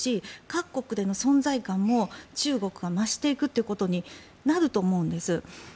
各国での存在感も中国が増していくということになると思うんです。